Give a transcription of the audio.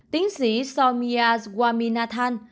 tiến sĩ soumya swaminathan